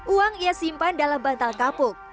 uang ia simpan dalam bantal kapuk